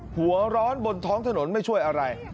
หัวร้อนบนท้องถนนไม่ช่วยอะไร